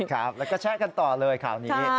ครับแล้วก็แชะกันต่อเลยข่าวนี้